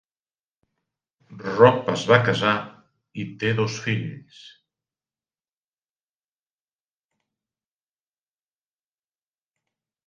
Roop es va casar i té dos fills.